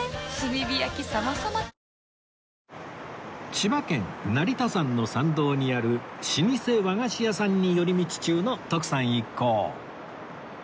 千葉県成田山の参道にある老舗和菓子屋さんに寄り道中の徳さん一行